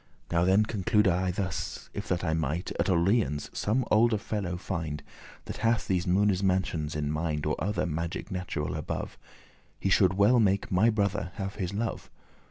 Now then conclude I thus; if that I might At Orleans some olde fellow find, That hath these Moone's mansions in mind, Or other magic natural above. He should well make my brother have his love.